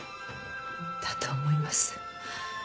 だと思います。